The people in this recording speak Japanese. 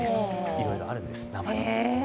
いろいろあるんです、名前も。